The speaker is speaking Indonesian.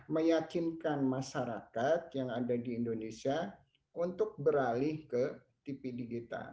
meyakinkan masyarakat yang ada di indonesia untuk beralih ke tv digital